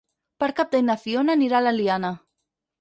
Per Cap d'Any na Fiona anirà a l'Eliana.